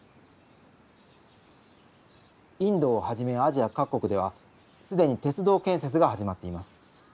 インドをはじめアジア各国ではすでに鉄道建設が始まっています。